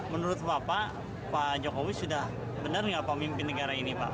menurut bapak pak jokowi sudah benar nggak pemimpin negara ini pak